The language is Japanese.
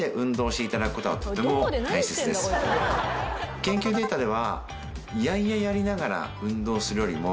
研究データでは。